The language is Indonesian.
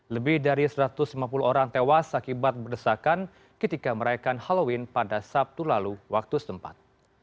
lebih dari satu ratus lima puluh orang tewas akibat berdesakan ketika merayakan halloween pada sabtu lalu waktu setempat